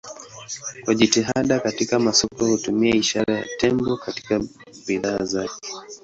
Kwa jitihada katika masoko hutumia ishara ya tembo katika bidhaa zake.